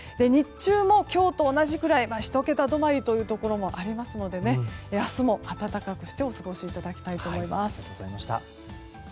日中も今日と同じくらい１桁止まりのとこもありますので明日も暖かくしてお過ごしいただきたいと思います。